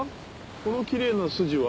このキレイな筋は？